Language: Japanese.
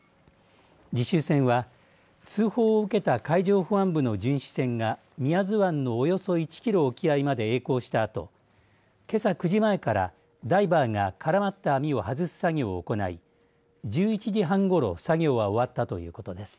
実習船は通報を受けた海上保安部の巡視船が宮津湾のおよそ１キロ沖合までえい航したあとけさ９時前からダイバーが絡まった網を外す作業を行い１１時半ごろ作業は終わったということです。